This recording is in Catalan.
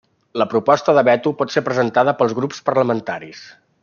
La proposta de veto pot ser presentada per grups parlamentaris.